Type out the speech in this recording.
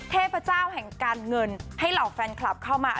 เทพเจ้าแห่งการเงินให้เหล่าแฟนคลับเข้ามา